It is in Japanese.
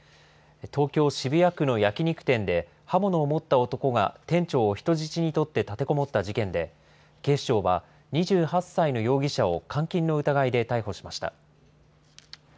東京・渋谷区の焼き肉店で、刃物を持った男が店長を人質に取って立てこもった事件で、警視庁は、２８歳の容疑者を監禁の疑いで逮捕しました。